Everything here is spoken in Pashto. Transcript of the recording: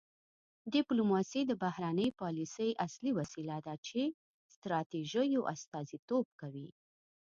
ډیپلوماسي د بهرنۍ پالیسۍ اصلي وسیله ده چې ستراتیژیو استازیتوب کوي